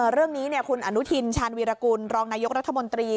เรื่องนี้คุณอนุทินชาญวีรกุลรองนายกรัฐมนตรี